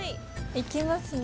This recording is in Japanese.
いきますね。